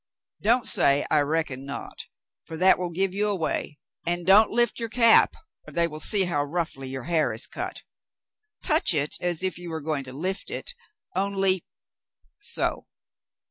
Don't say *I reckon not,' for that will give you away, and don't lift your cap, or they will see how roughly your hair is cut. Touch it as if you were going to lift it, only — so.